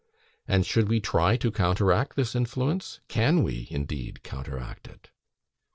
And should we try to counteract this influence? Can we indeed counteract it?